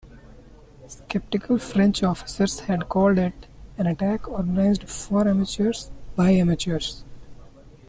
Sceptical French officers had called it "an attack organized for amateurs by amateurs".